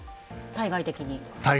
対外的に。